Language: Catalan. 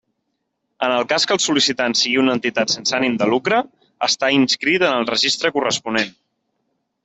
En el cas que el sol·licitant sigui una entitat sense ànim de lucre, estar inscrit en el registre corresponent.